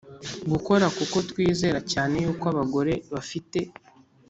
Gukora kuko twizera cyane yuko abagore bafite